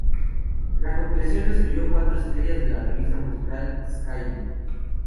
La compilación recibió cuatro estrellas de la revista musical "The Skinny".